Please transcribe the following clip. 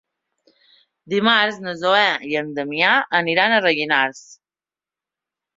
Dimarts na Zoè i en Damià aniran a Rellinars.